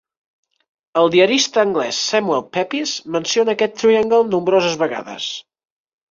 El diarista anglès Samuel Pepys menciona aquest "tryangle" nombroses vegades.